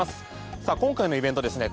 さあ、今回のイベントですね